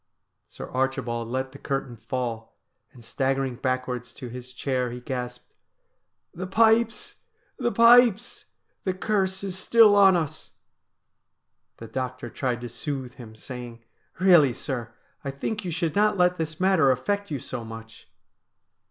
Sir Archibald let the curtain fall, and, staggering backwards to his chair, he gasped :' The pipes ! the pipes ! The curse is still on us.' The doctor tried to soothe him, saying :' Eeally, sir, I think you should not let this matter affect you so much.'